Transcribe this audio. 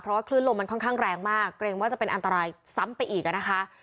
เพราะว่าคลื่นลมมันค่อนข้างแรงมากเกรงว่าจะเป็นอันตรายซ้ำไปอีกอ่ะนะคะ